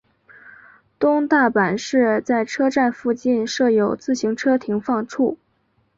东大阪市在车站附近设有自行车停放处。